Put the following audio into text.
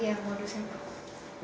iya modusnya berapa